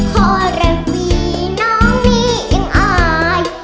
ขอโรควีน้องมิอิงอาย